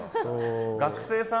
学生さん？